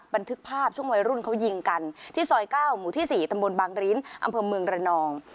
บันทึกภาพช่วงวัยรุ่นเขายิงกันที่ซอย๙หมู่ที่๔ตำบลบางริ้นอำเภอเมืองระนอง